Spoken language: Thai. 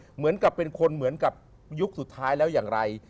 เหมือนกับเป็นคนเหมือนกับยุคสุดท้ายแล้วอย่างไร